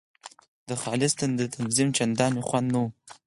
د خالص د تنظیم چندان خوند نه وو.